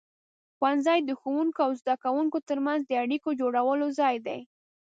ښوونځی د ښوونکو او زده کوونکو ترمنځ د اړیکو د جوړولو ځای دی.